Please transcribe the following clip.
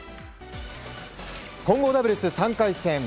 混合ダブルス３回戦。